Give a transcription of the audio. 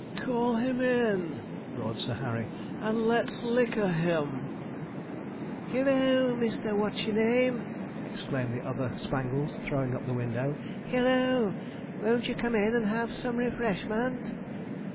'Call him in,' roared Sir Harry, 'and let's liquor him.' 'Hilloo! Mister What's your name!' exclaimed the other Spangles, throwing up the window. 'Hilloo, won't you come in and have some refreshment?'